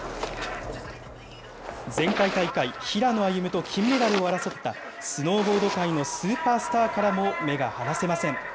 前回大会、平野歩夢と金メダルを争った、スノーボード界のスーパースターからも目が離せません。